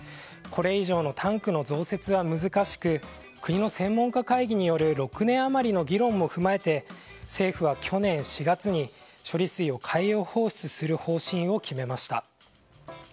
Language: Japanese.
これ以上のタンクの増設は難しく国の専門家会議による６年余りの議論も踏まえて政府は去年４月に処理水を海洋放出する方針を決めました。